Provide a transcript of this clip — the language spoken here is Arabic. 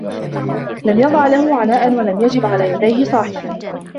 لَمْ يَضِعْ لَهُ عَنَاءٌ وَلَمْ يَخِبْ عَلَى يَدَيْهِ صَاحِبٌ